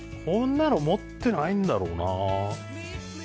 こんなの持ってないんだろうなぁ。